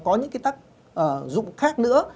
có những cái tác dụng khác nữa